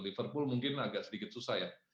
liverpool mungkin agak sedikit susah ya